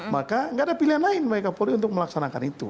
maka nggak ada pilihan lain bagi kapolri untuk melaksanakan itu